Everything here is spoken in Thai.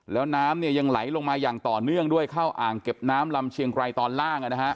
แล้วน้ำยังไหลลงมาอย่างต่อเนื่องด้วยเข้าอ่างเก็บน้ำลำเชียงไกรตอนล่าง